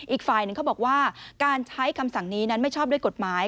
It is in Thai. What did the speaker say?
อีกฝ่ายหนึ่งเขาบอกว่าการใช้คำสั่งนี้นั้นไม่ชอบด้วยกฎหมาย